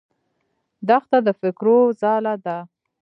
دښته د فکرو ځاله ده.